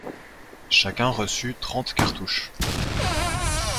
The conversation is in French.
Chacun reçut trente cartouches.